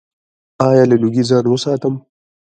ایا له لوګي ځان وساتم؟